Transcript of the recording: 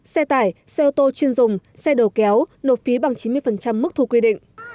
xe tải xe ô tô chuyên dùng xe đầu kéo nộp phí bằng chín mươi mức thu quy định